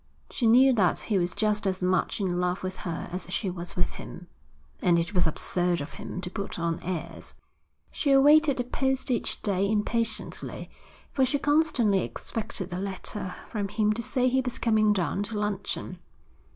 She knew that he was just as much in love with her as she was with him, and it was absurd of him to put on airs. She awaited the post each day impatiently, for she constantly expected a letter from him to say he was coming down to luncheon.